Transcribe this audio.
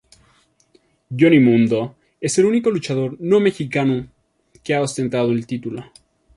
Johnny Mundo es el único luchador no mexicano que ha ostentado el título.